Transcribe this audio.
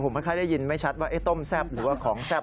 ผมไม่ค่อยได้ยินไม่ชัดว่าต้มแซ่บหรือว่าของแซ่บ